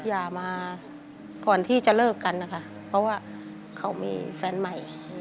อย่ามาก่อนที่จะเลิกกันนะคะเพราะว่าเขามีแฟนใหม่